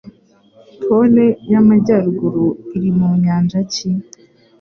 Pole y'Amajyaruguru iri mu nyanja ki?